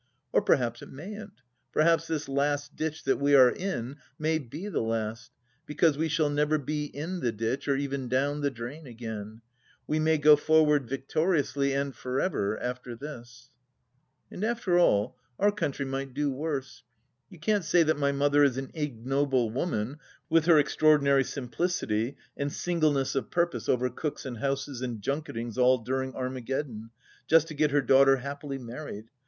... Or perhaps it mayn't !... Perhaps this Last Ditch that we are in, may be The Last — because we shall never be in the ditch, or even down the drain again ! We may go forward victoriously, and for ever, after this ,..? And after all our country might do worse. You can't say that my mother is an ignoble woman — with her extra ordinary simplicity and singleness of purpose over cooks and houses and junketings all during Armageddon, just to get her daughter happily married